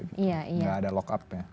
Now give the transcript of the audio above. gak ada lock up ya